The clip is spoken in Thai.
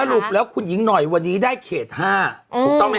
รุปแล้วคุณหญิงหน่อยวันนี้ได้เขต๕ถูกต้องไหมฮ